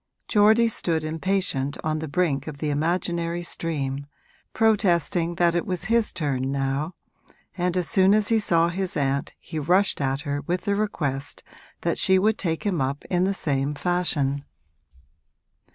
Geordie stood impatient on the brink of the imaginary stream, protesting that it was his turn now, and as soon as he saw his aunt he rushed at her with the request that she would take him up in the same fashion.